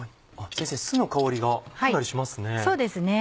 先生酢の香りがかなりしますね。